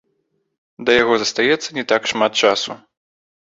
Да яго застаецца не так шмат часу.